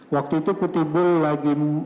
waktu itu ketibul lagi